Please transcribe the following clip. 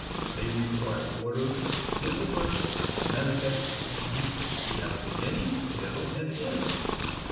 They require order, discipline, and manifest technique. They have a beginning, middle and end.